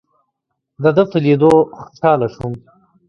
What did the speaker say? دده په لیدو خوشاله شوم.